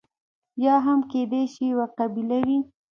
یا هم کېدای شي یوه قبیله وي.